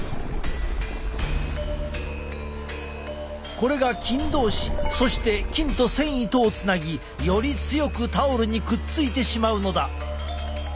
これが菌同士そして菌と繊維とをつなぎより強くタオルにくっついてしまうのだ。